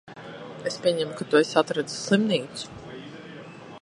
Es pieņemu, ka tu esi atradis slimnīcu?